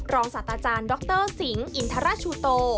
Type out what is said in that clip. ศาสตราจารย์ดรสิงห์อินทราชูโต